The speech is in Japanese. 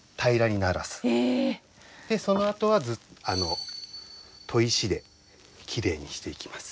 そのあとは砥石できれいにしていきます。